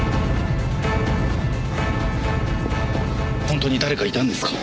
ほんとに誰かいたんですか？